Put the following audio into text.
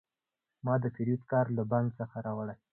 ما د پیرود کارت له بانک څخه راوړی.